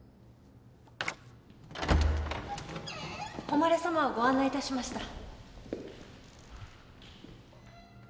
・誉さまをご案内いたしました。